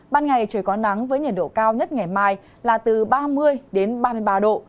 ban ngày trời có nắng với nhiệt độ cao nhất ngày mai là từ ba mươi đến ba mươi ba độ